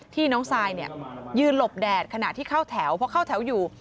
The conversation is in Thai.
น้องซายยืนหลบแดดขณะที่เข้าแถวเพราะเข้าแถวอยู่